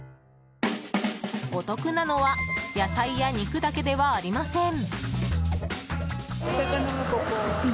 お得なのは野菜や肉だけではありません。